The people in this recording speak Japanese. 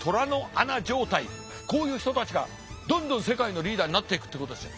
こういう人たちがどんどん世界のリーダーになっていくってことですよ。